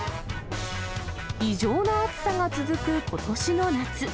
異常な暑さが続くことしの夏。